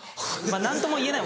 何ともいえない